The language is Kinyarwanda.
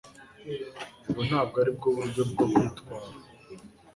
ubwo ntabwo aribwo buryo bwo kwitwara